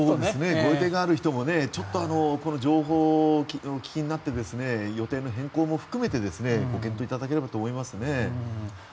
ご予定がある人も情報をお聞きになって予定の変更も含めてご検討いただければと思います。